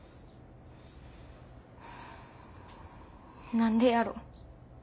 何でやろ。